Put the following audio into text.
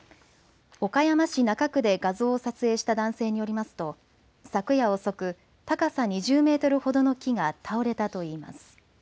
岡山市中区で画像を撮影した男性によりますと、昨夜遅く、高さ２０メートルほどの木が倒れたといいます。